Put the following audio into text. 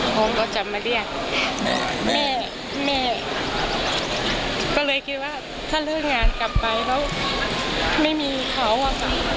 ผมก็จะมาเรียกแม่แม่ก็เลยคิดว่าถ้าเลิกงานกลับไปแล้วไม่มีเขาอะค่ะ